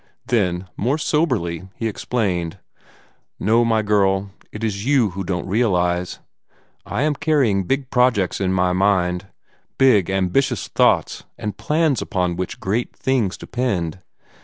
Then, more soberly, he explained: "No, my girl, it is you who don't realize. I am carrying big projects in my mind big, ambitious thoughts and plans upon which great things depend.